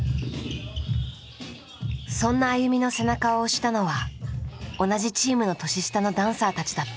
そんなＡＹＵＭＩの背中を押したのは同じチームの年下のダンサーたちだった。